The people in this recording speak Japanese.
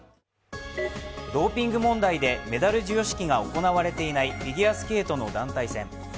ドーピング問題でメダル授与式が行われていないフィギュアスケートの団体戦。